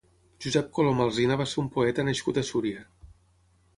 Josep Colom Alsina va ser un poeta nascut a Súria.